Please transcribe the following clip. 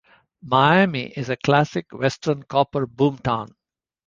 Miami is a classic Western copper boom-town.